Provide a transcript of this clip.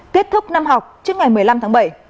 kết thúc năm học trước ngày một mươi năm tháng bảy